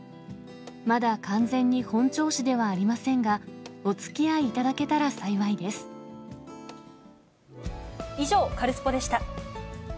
まだ完全に本調子ではありませんが、以上、カルスポっ！でした。